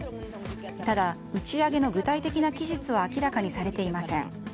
ただ、打ち上げの具体的な期日は明らかにされていません。